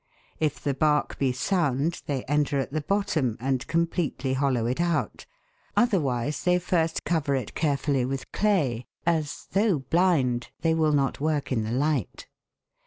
If the bark be sound they enter at the bottom, and completely hollow it out ; otherwise they first cover it carefully with clay, as, though blind, they will not work in the light.